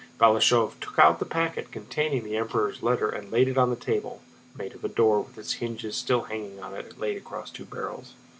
Balashëv took out the packet containing the Emperor's letter and laid it on the table (made of a door with its hinges still hanging on it, laid across two barrels).